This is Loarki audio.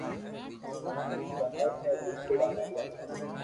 اج ھي ڪروا ھي بلڪل آج ھي آج